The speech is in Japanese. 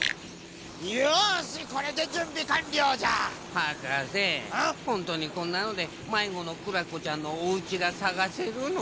はかせほんとにこんなのでまいごのクラコちゃんのおうちがさがせるの？